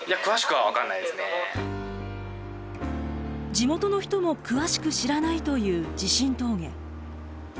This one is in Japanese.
地元の人も詳しく知らないという地震峠。